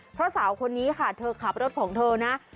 เพราะสาวคนนี้ค่ะเธอขับรถของเธอนะ